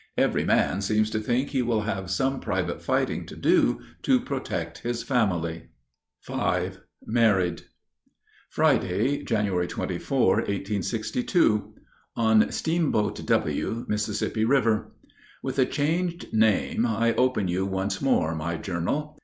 Every man seems to think he will have some private fighting to do to protect his family. V MARRIED Friday, Jan. 24, 1862. (On Steamboat W., Mississippi River.) With a changed name I open you once more, my journal.